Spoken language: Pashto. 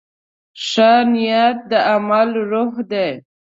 ښه نیت د عمل روح دی.